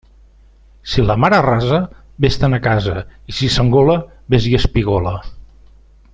Si la mar arrasa, vés-te'n a casa, i si s'engola, vés i espigola.